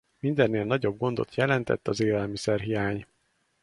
Mindennél nagyobb gondot jelentett az élelmiszerhiány.